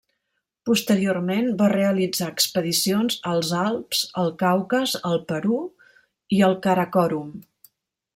Posteriorment va realitzar expedicions als Alps, el Caucas, el Perú i al Karakorum.